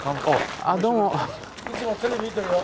・いつもテレビ見てるよ。